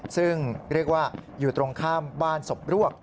ซึ่งเรียกว่าอยู่ตรงข้ามบ้านศพรวก